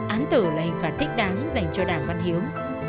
án tử là hình phạt thích đáng dành cho đàm văn hiếu